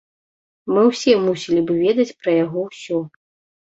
Мы ўсе мусілі б ведаць пра яго ўсё.